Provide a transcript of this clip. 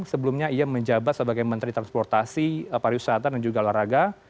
sebelumnya ia menjabat sebagai menteri transportasi pariwisata dan juga olahraga